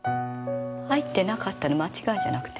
「入ってなかった」の間違いじゃなくて？